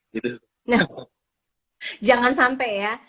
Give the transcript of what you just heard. jangan sampai ya